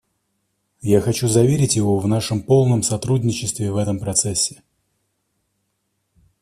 Я хочу заверить его в нашем полном сотрудничестве в этом процессе.